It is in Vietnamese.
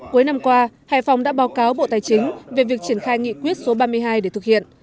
cuối năm qua hải phòng đã báo cáo bộ tài chính về việc triển khai nghị quyết số ba mươi hai để thực hiện